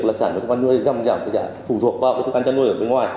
là sản phẩm thức ăn nuôi dòng dàng phù thuộc vào thức ăn chăn nuôi ở bên ngoài